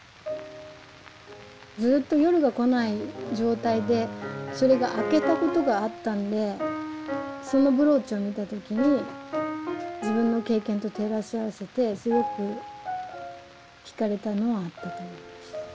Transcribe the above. ずっと夜が来ない状態でそれが明けたことがあったんでそのブローチを見た時に自分の経験と照らし合わせてすごく惹かれたのはあったと思います。